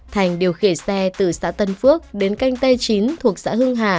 thành điều khiển xe từ xã tân phước đến canh t chín thuộc xã hưng hà